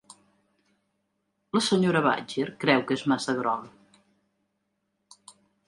La senyora Badger creu que és massa groga.